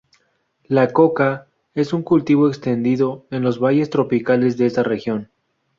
La coca es un cultivo extendido en los valles tropicales de esta región.